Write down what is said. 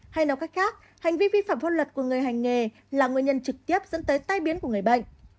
hay nói cách khác hành vi vi phạm pháp luật của người hành nghề là nguyên nhân trực tiếp dẫn tới tai biến của người bệnh